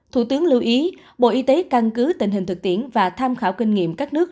thủ tướng lưu ý bộ y tế căn cứ tình hình thực tiễn và tham khảo kinh nghiệm các nước